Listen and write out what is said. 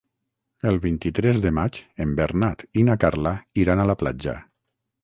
El vint-i-tres de maig en Bernat i na Carla iran a la platja.